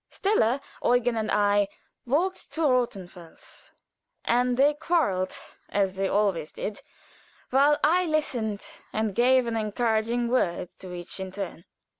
Stella, Eugen, and I walked to Rothenfels, and they quarreled, as they always did, while I listened and gave an encouraging word to each in turn.